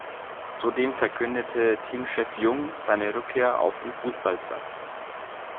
Zudem verkündete Teamchef Jung seine Rückkehr auf den Fußballplatz.